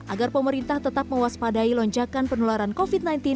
agar pemerintah tetap mewaspadai lonjakan penularan covid sembilan belas